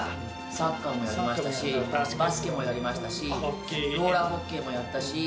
サッカーもやりましたし、バスケもやりましたし、ローラーホッケーもやったし。